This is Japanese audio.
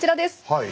はい。